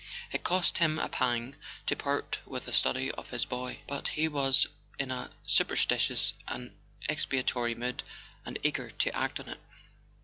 It cost him a pang to part with a study of his boy; but he was in a superstitious and expiatory mood, and eager to act on it.